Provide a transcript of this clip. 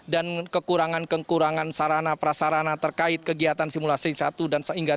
dan kekurangan kekurangan sarana prasarana terkait kegiatan simulasi satu hingga tiga